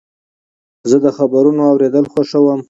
زه د خبرونو اورېدل خوښوم.